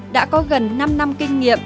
đã có gần năm năm kinh nghiệm